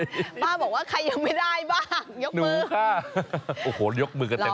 ป้าบอกว่าใครยังไม่ได้บ้าง